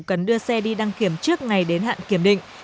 cần đưa xe đi đăng kiểm trước ngày đến hạn kiểm định